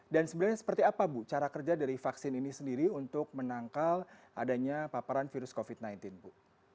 dan sebenarnya seperti apa bu cara kerja dari vaksin ini sendiri untuk menangkal adanya paparan virus covid sembilan belas bu